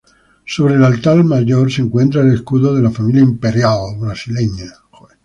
Sobre el altar mayor se encuentra el escudo de la Familia Imperial Brasileña.